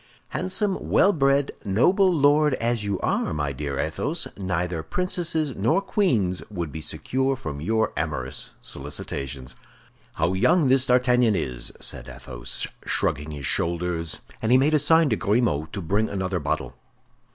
"Handsome, well bred, noble lord as you are, my dear Athos, neither princesses nor queens would be secure from your amorous solicitations." "How young this D'Artagnan is!" said Athos, shrugging his shoulders; and he made a sign to Grimaud to bring another bottle.